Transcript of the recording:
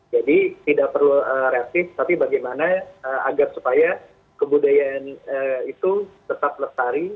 jadi tidak perlu reaktif tapi bagaimana agar supaya kebudayaan itu tetap lestari